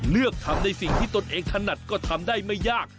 เลือกทำในสิ่งที่ตนเองถนัดก็ทำได้ไม่ยาก